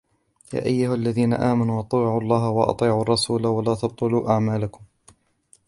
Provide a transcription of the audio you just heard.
يا أيها الذين آمنوا أطيعوا الله وأطيعوا الرسول ولا تبطلوا أعمالكم